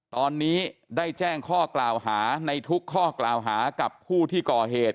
ตอนนี้ได้แจ้งข้อกล่าวหาในทุกข้อกล่าวหากับผู้ที่ก่อเหตุ